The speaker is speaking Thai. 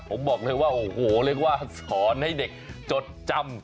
ผมบอกเลยว่าโอ้โหเรียกว่าสอนให้เด็กจดจำ